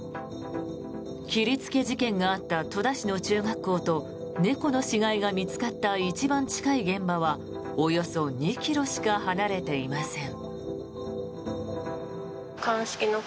切りつけ事件があった戸田市の中学校と猫の死骸が見つかった一番近い現場はおよそ２ｋｍしか離れていません。